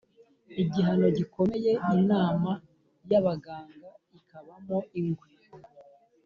igihano gikomeye”. Inama y’abaganga ikabamo ingwe